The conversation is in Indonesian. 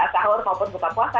saat sahur maupun waktu puasa